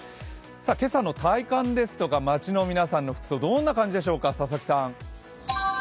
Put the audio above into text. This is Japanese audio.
今朝の体感ですとか街の皆さんの服装、どんな感じでしょうか？